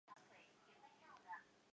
他们被早期的探险家用数字编号。